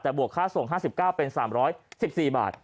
แต่บวกค่าส่ง๕๙เป็น๓๑๔บาท